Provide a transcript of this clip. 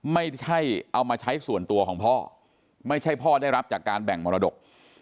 ไม่ใช่เอามาใช้ส่วนตัวของพ่อไม่ใช่พ่อได้รับจากการแบ่งมรดก